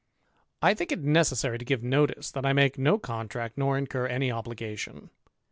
I think it necessary to give notice, that I make nO contract, nor incur any obligation.